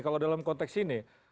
kalau dalam konteks ini